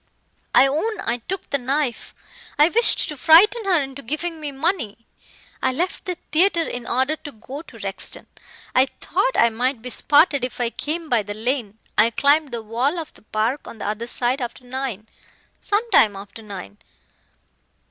I own I took the knife. I wished to frighten her into giving me money. I left the theatre in order to go to Rexton. I thought I might be spotted if I came by the lane. I climbed the wall of the park on the other side after nine, some time after nine.